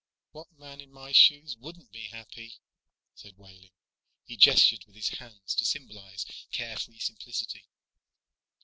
"What man in my shoes wouldn't be happy?" said Wehling. He gestured with his hands to symbolize care free simplicity.